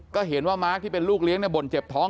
ก็เห็นว่ามาร์คที่เป็นลูกเลี้ยงบ่นเจ็บท้อง